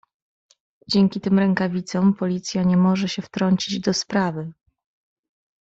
"Dzięki tym rękawicom policja nie może się wtrącić do sprawy."